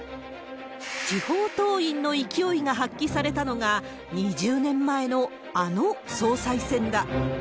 地方党員の勢いが発揮されたのが、２０年前のあの総裁選だ。